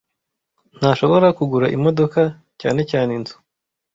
Ntashobora kugura imodoka, cyane cyane inzu.